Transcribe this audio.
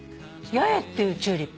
八重っていうチューリップ？